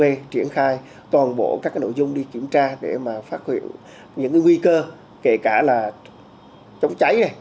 để triển khai toàn bộ các nội dung đi kiểm tra để phát hiện những nguy cơ kể cả chống cháy